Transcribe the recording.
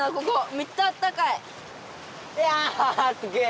めっちゃあったかい！やすげえ！